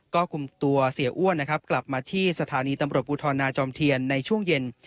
ก็คุมตัวเสียอ้วนนะครับกลับมาที่สถานีตำรวจภูทรนาจอมเทียนในช่วงเย็น